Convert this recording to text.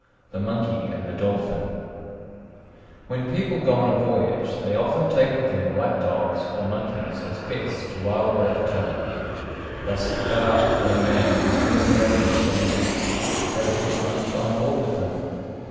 THE MONKEY AND THE DOLPHIN When people go on a voyage they often take with them lap dogs or monkeys as pets to wile away the time. Thus it fell out that a man returning to Athens from the East had a pet Monkey on board with him.